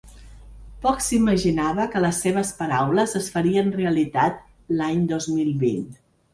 Poc s’imaginava que les seves paraules es farien realitat l’any dos mil vint.